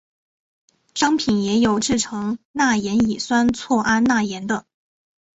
商品也有制成钠盐乙酰唑胺钠盐的。